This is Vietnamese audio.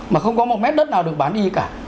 mà không có một mét đất nào được bán y cả